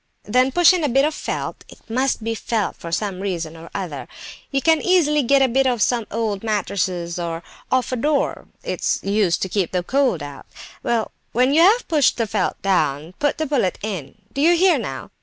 Then push in a bit of felt (it must be felt, for some reason or other); you can easily get a bit off some old mattress, or off a door; it's used to keep the cold out. Well, when you have pushed the felt down, put the bullet in; do you hear now?